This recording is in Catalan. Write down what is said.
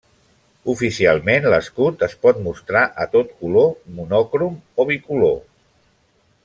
Oficialment, l'escut es pot mostrar a tot color, monocrom o bicolor.